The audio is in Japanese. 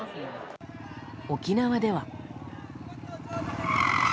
沖縄では。